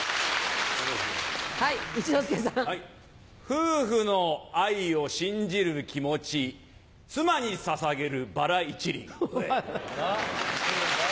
夫婦の愛を信じる気持ち妻にささげるバラ１輪。